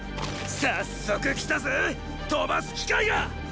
早速来たぜ飛ばす機会が！！